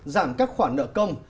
giảm các khoản nợ công